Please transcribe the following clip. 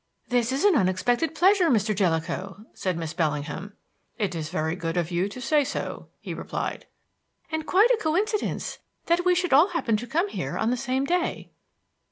"This is an unexpected pleasure, Mr. Jellicoe," said Miss Bellingham. "It is very good of you to say so," he replied. "And quite a coincidence that we should all happen to come here on the same day."